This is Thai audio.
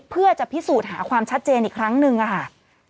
เพื่อจะพิสูจน์หาความชัดเจนอีกครั้งหนึ่งค่ะ